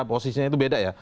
posisinya itu beda ya